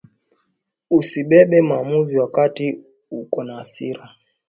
Usi bambe mahamuzi wakati uko na asira